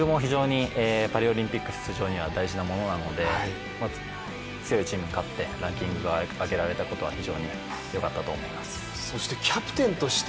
ランキングも非常にパリオリンピック出場には大事なものなので強いチームに勝ってランキングが上げられたことは非常によかったと思います。